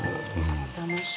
楽しい。